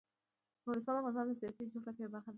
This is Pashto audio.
نورستان د افغانستان د سیاسي جغرافیه برخه ده.